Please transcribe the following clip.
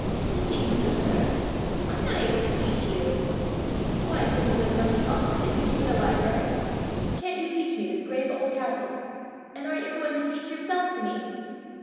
"Teaching you, sir! I'm not able to teach you!" "Why, didn't you as much as offer to teach me the library? Can't you teach me this great old castle? And aren't you going to teach yourself to me?"